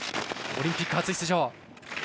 オリンピック初出場。